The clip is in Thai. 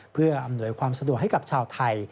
เพื่ออำนวยความสะดวกให้กับชาวไทย